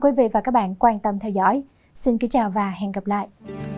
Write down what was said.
cảm ơn các bạn đã theo dõi và hẹn gặp lại